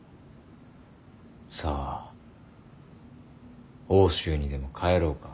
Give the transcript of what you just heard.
さあ奥州にでも帰ろうか。